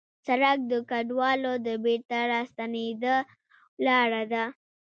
سړک د کډوالو د بېرته راستنېدو لاره ده.